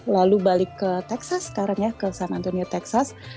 lalu balik ke texas sekarang ya ke sanantonio texas